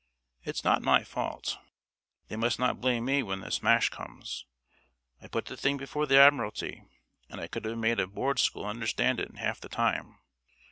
It's not my fault. They must not blame me when the smash comes. I put the thing before the Admiralty, and I could have made a board school understand it in half the time.